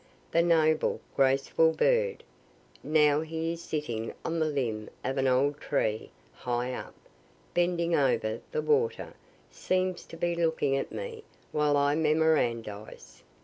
The noble, graceful bird! Now he is sitting on the limb of an old tree, high up, bending over the water seems to be looking at me while I memorandize.